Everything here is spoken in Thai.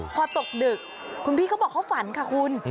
พอตกดึกคุณพี่เขาบอกเขาฝันค่ะคุณ